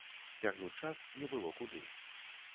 Цягнуць час не было куды.